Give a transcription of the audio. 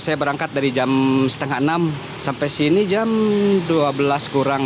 saya berangkat dari jam setengah enam sampai sini jam dua belas kurang